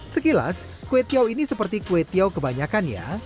sekilas kwe teow ini seperti kwe teow kebanyakan ya